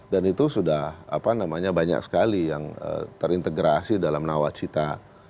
dan itu sudah apa namanya banyak sekali yang terintegrasi dalam nawacita